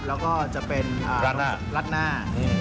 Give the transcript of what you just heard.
แล้วก็จะเป็นรัดหน้า